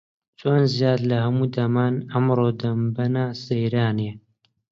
چۆنە زیاد لە هەموو دەمان، ئەمڕۆ دەمبەنە سەیرانێ؟